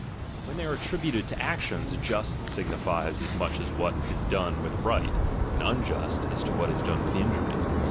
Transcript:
When they are attributed to actions, just signifies as much as what is done with right, and unjust, as what is done with injury.